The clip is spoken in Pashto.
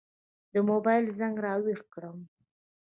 د موبایل زنګ را وېښ کړم.